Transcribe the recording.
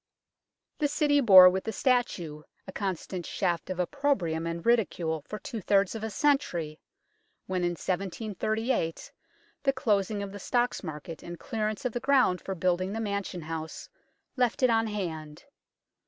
The City bore with the statue, a constant shaft of opprobrium and ridicule, for two thirds of a century, when in 1738 the closing of the Stocks Market and clearance of the ground for building the Mansion House left it on hand.